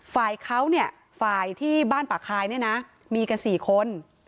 ฝ่ายเขาเนี่ยฝ่ายที่บ้านป่าคายเนี่ยนะมีกัน๔คน